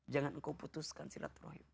jangan engkau putuskan silaturahim